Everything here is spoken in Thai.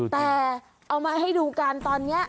แต่เอามาให้ดูกันตอนนี้